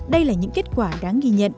đây là những kết quả đáng ghi nhận